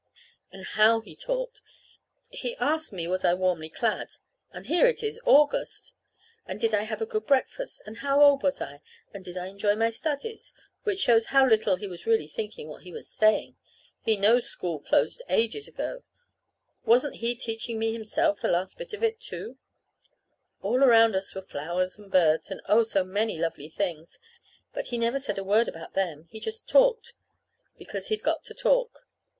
And how he talked! He asked me was I warmly clad (and here it is August!), and did I have a good breakfast, and how old was I, and did I enjoy my studies which shows how little he was really thinking what he was saying. He knows school closed ages ago. Wasn't he teaching me himself the last of it, too? All around us were flowers and birds, and oh, so many, many lovely things. But he never said a word about them. He just talked because he'd got to talk.